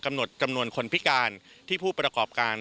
หดจำนวนคนพิการที่ผู้ประกอบการ